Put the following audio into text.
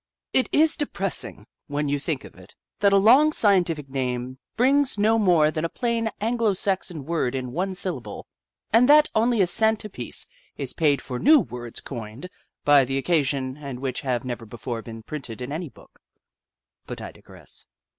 It is depressing, when you think of it, that a long scientific name brings no more than a plain Anglo Saxon word in one syllable, and that 2 The Book of Clever Beasts only a cent apiece is paid for new words coined for the occasion and which have never before been printed in any book. But I digress.